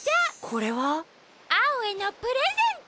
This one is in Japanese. これは？アオへのプレゼント！